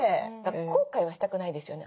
後悔はしたくないですよね。